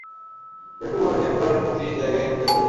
কেউ কেউ বলেছেন, কুরআনের পঁয়ত্রিশ জায়গায় এর উল্লেখ রয়েছে।